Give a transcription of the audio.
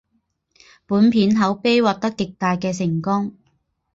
本片口碑获得极大的成功。